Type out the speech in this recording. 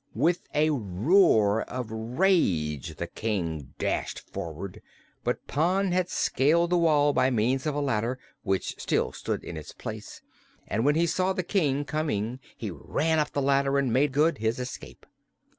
With a roar of rage the King dashed forward; but Pon had scaled the wall by means of a ladder, which still stood in its place, and when he saw the King coming he ran up the ladder and made good his escape.